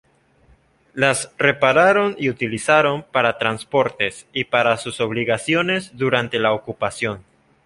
Las repararon y utilizaron para transportes y para sus obligaciones durante la ocupación.